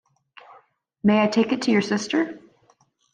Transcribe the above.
May I take it to your sister?